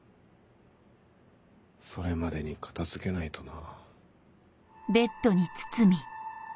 それまでに片付けないとな。